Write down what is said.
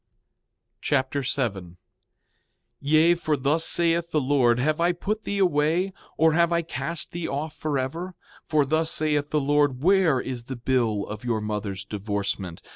2 Nephi Chapter 7 7:1 Yea, for thus saith the Lord: Have I put thee away, or have I cast thee off forever? For thus saith the Lord: Where is the bill of your mother's divorcement?